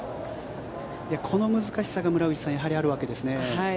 この難しさが村口さんやはりあるわけですね。